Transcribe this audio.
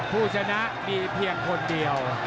ผู้ชนะมีแค่คนเดียว